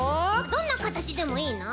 どんなかたちでもいいの？